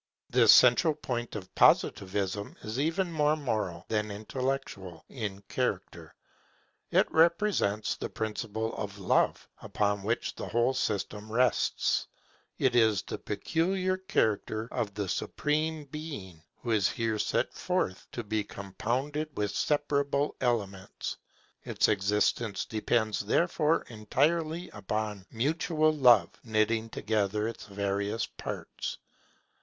This central point of Positivism is even more moral than intellectual in character: it represents the principle of Love upon which the whole system rests. It is the peculiar characteristic of the Great Being who is here set forth, to be compounded of separable elements. Its existence depends therefore entirely upon mutual Love knitting together its various parts.